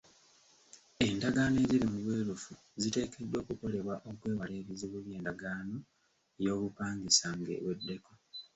Endagaano eziri mu bwerufu ziteekeddwa okukolebwa okwewala ebizibu by'endagaano y'obupangisa ng'eweddeko.